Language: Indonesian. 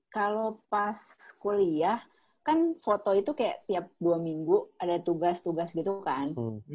kalo pas kuliah kan foto itu kayak tiap dua minggu ada tugas tugas gitu kan